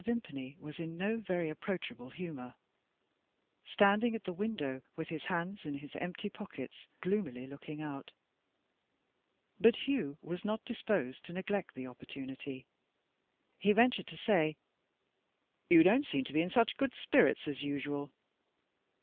Vimpany was in no very approachable humour standing at the window, with his hands in his empty pockets, gloomily looking out. But Hugh was not disposed to neglect the opportunity; he ventured to say: "You don't seem to be in such good spirits as usual."